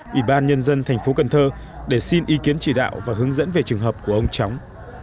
ủy ban nhân dân tp cn để xin ý kiến chỉ đạo và hướng dẫn về trường hợp của ông chóng